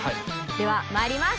ではまいります